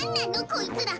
こいつら。